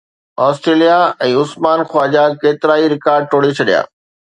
Australia ۽ Usman Khawaja ڪيترائي record ٽوڙي ڇڏيا